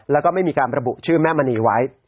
แล้วก็ไม่มีการระบุชื่อแม่มณีไว้